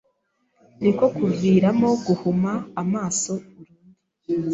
niko kuviramo guhuma amaso burundu.